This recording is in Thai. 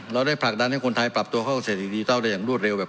ได้ผลักดันให้คนไทยปรับตัวเข้าเศรษฐกิจดิจิทัลได้อย่างรวดเร็วแบบ